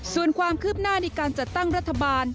ส่วนความคืบหน้าในการจัดตั้งรัฐบาล